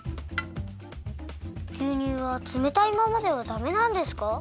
ぎゅうにゅうはつめたいままではダメなんですか？